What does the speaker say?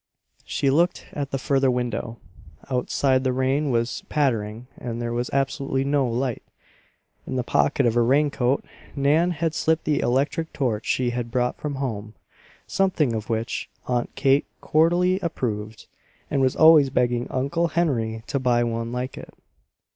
She looked at the further window. Outside the rain was pattering and there was absolutely no light. In the pocket of her raincoat Nan had slipped the electric torch she had brought from home, something of which Aunt Kate cordially approved, and was always begging Uncle Henry to buy one like it.